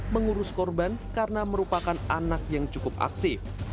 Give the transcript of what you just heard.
mengurus korban karena merupakan anak yang cukup aktif